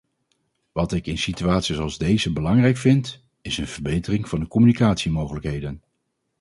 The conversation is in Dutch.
Wat ik in situaties als deze belangrijk vind, is een verbetering van de communicatiemogelijkheden.